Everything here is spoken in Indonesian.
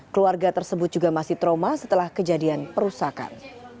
keluarga tersebut juga masih trauma setelah kejadian perusakan